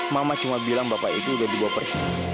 mama cuma bilang bapak itu udah dibawa pergi